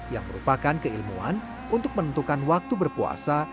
yang merupakan keilmuan untuk menentukan waktu berpuasa